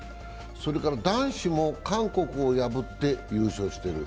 それから男子も韓国を破って優勝している。